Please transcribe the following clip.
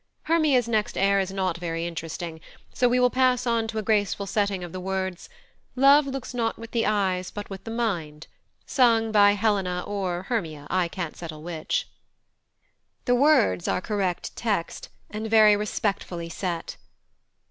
Hermia's next air is not very interesting, so we will pass on to a graceful setting of the words, "Love looks not with the eyes, but with the mind," sung by Helena or Hermia, I can't settle which; the words are correct text, and very respectfully set.